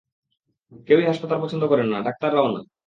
কেউই হাসপাতাল পছন্দ করে না, ডাক্তাররাও না।